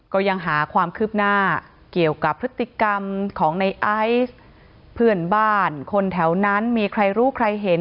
ก็ยังหาความคืบหน้าเกี่ยวกับพฤติกรรมของในไอซ์เพื่อนบ้านคนแถวนั้นมีใครรู้ใครเห็น